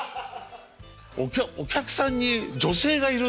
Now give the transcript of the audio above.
お客さんに女性がいるんですよ。